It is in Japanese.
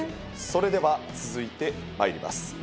それでは続いてまいります。